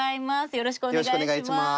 よろしくお願いします。